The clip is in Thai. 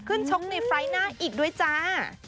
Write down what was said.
ชกในไฟล์หน้าอีกด้วยจ้า